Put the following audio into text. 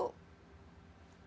harus sadar bahwa yang diproduksi itu